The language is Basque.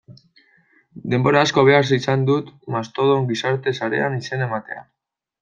Denbora asko behar izan dut Mastodon gizarte sarean izena ematen.